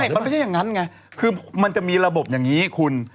มันไม่ใช่อย่างนั้นไงคือมันจะมีระบบอย่างนี้คุณ